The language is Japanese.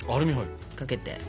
かけて。